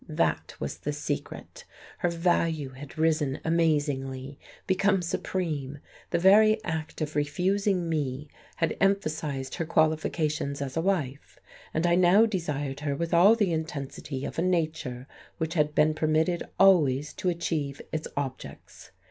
That was the secret! Her value had risen amazingly, become supreme; the very act of refusing me had emphasized her qualifications as a wife, and I now desired her with all the intensity of a nature which had been permitted always to achieve its objects.